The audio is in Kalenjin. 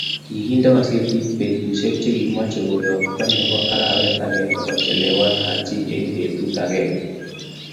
Kikente kasetiii betushe che kimocheikeyookto ni bo arawet akenge kochelewan Haji eng betut akenge.